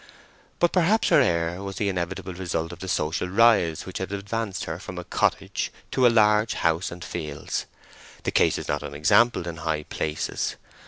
But perhaps her air was the inevitable result of the social rise which had advanced her from a cottage to a large house and fields. The case is not unexampled in high places.